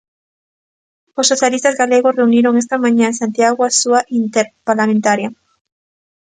Os socialistas galegos reuniron esta mañá en Santiago a súa Interparlamentaria.